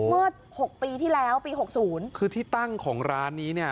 หกปีที่แล้วปีหกศูนย์คือที่ตั้งของร้านนี้เนี่ย